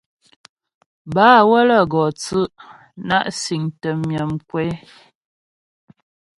Bâ wə́lə́ gɔ tsʉ' na' siŋtə myə mkwé.